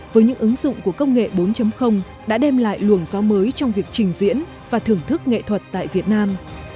với những ứng dụng của công nghệ bốn đã đem lại luồng gió mới trong việc trình diễn và thưởng thức nghệ thuật tại việt nam